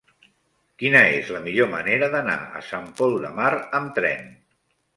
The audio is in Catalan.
Quina és la millor manera d'anar a Sant Pol de Mar amb tren?